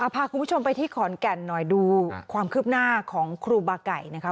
พาคุณผู้ชมไปที่ขอนแก่นหน่อยดูความคืบหน้าของครูบาไก่นะคะ